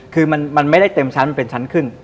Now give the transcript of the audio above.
คือมันไม่ได้เต็มชั้นมันเป็นชั้นขึ้น